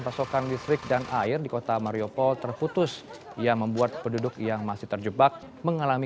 pasokan listrik dan air di kota mariupol terputus yang membuat penduduk yang masih terjebak mengalami